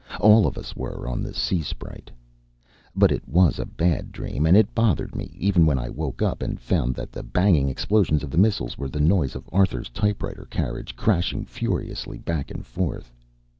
All of us were on the Sea Sprite. But it was a bad dream and it bothered me, even when I woke up and found that the banging explosions of the missile were the noise of Arthur's typewriter carriage crashing furiously back and forth.